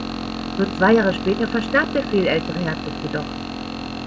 Nur zwei Jahre später verstarb der viel ältere Herzog jedoch.